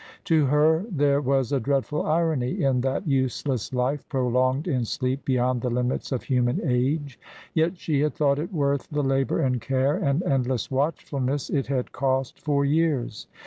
To her there was a dreadful irony in that useless life, prolonged in sleep beyond the limits of human age. Yet she had thought it worth the labour and care and endless watchfulness it had cost for years.